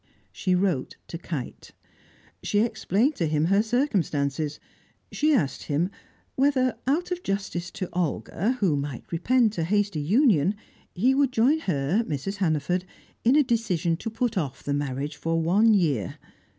She wrote to Kite; she explained to him her circumstances; she asked him whether, out of justice to Olga, who might repent a hasty union, he would join her (Mrs. Hannaford) in a decision to put off the marriage for one year.